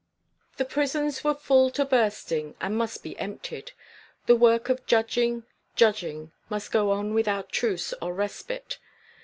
XV The prisons were full to bursting and must be emptied; the work of judging, judging, must go on without truce or respite.